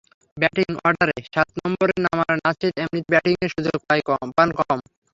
Batting অর্ডারে সাত নম্বরে নামায় নাসির এমনিতেই ব্যাটিংয়ের সুযোগ পান কম।